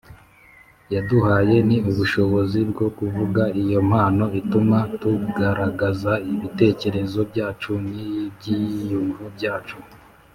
yaduhaye ni ubushobozi bwo kuvuga Iyo mpano ituma tugaragaza ibitekerezo byacu n ibyiyumvo byacu